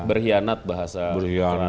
berhianat bahasa kelasnya